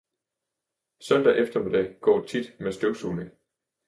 Søndag eftermiddag går tit med støvsugning.